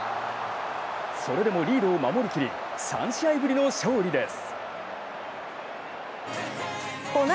それでもリードを守りきり、３試合ぶりの勝利です。